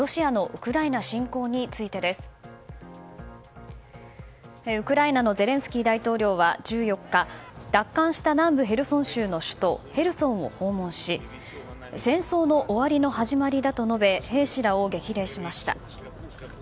ウクライナのゼレンスキー大統領は１４日奪還した南部ヘルソン州の首都ヘルソンを訪問し戦争の終わりの始まりだと述べ兵士らを激励しました。